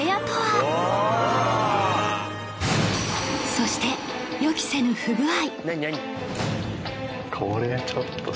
そして予期せぬ不具合